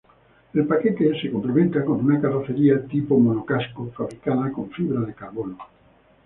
El paquete se complementa con una carrocería tipo monocasco, fabricada con fibra de carbono.